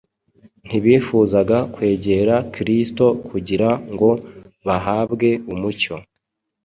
Ntibifuzaga kwegera Kristo kugira ngo bahabwe umucyo.